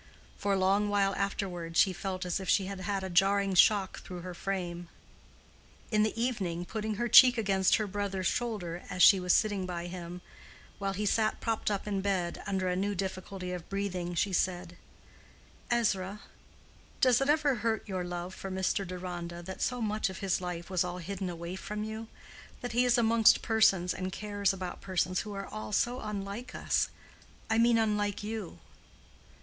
For a long while afterward she felt as if she had had a jarring shock through her frame. In the evening, putting her cheek against her brother's shoulder as she was sitting by him, while he sat propped up in bed under a new difficulty of breathing, she said, "Ezra, does it ever hurt your love for Mr. Deronda that so much of his life was all hidden away from you—that he is amongst persons and cares about persons who are all so unlike us—I mean unlike you?"